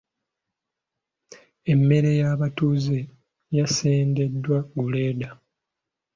Emmere y’abatuuze yasendeddwa gguleeda.